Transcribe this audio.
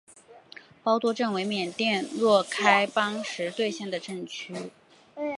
包多镇为缅甸若开邦实兑县的镇区。